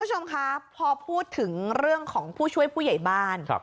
คุณผู้ชมคะพอพูดถึงเรื่องของผู้ช่วยผู้ใหญ่บ้าน